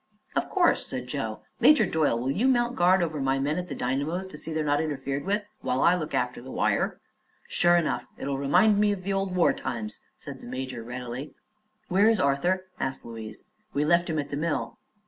"Of course," said Joe. "Major Doyle, will you mount guard over my men at the dynamos, to see they're not interfered with, while I look after the wire?" "Sure enough; it'll remind me of the old war times," said the major readily. "Where is Arthur?" asked Louise. "We left him at the mill."